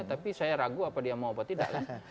tapi saya ragu apa dia mau apa tidak kan